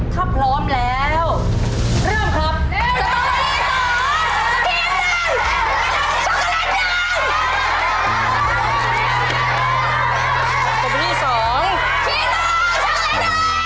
ถ้าพร้อมแล้วเริ่มครับ